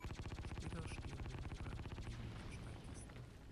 Später stehen Menhire neben den Steinkisten.